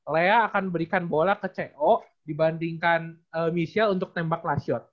lea akan berikan bola ke co dibandingkan michelle untuk tembak lasiot